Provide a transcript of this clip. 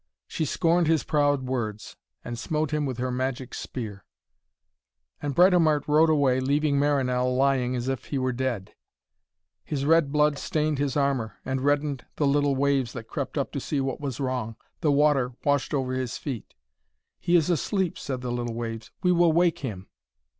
She scorned his proud words, and smote him with her magic spear. And Britomart rode away, leaving Marinell lying as if he were dead. His red blood stained his armour, and reddened the little waves that crept up to see what was wrong. The water washed over his feet. 'He is asleep,' said the little waves. 'We will wake him.'